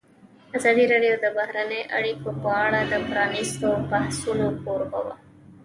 ازادي راډیو د بهرنۍ اړیکې په اړه د پرانیستو بحثونو کوربه وه.